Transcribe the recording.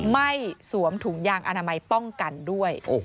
สวมถุงยางอนามัยป้องกันด้วย